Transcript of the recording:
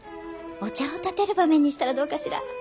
お茶をたてる場面にしたらどうかしら。